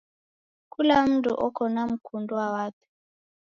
Kula mndu oko na mkundwa wape.